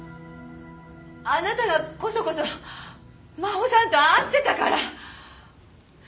あなたがコソコソ真帆さんと会ってたから！